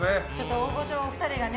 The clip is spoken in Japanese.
大御所２人がね